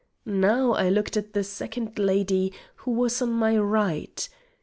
Now I looked at the second lady, who was on my right.